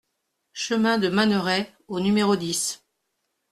Chemin de Manneret au numéro dix